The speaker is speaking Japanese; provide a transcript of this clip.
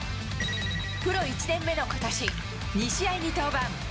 プロ１年目のことし、２試合に登板。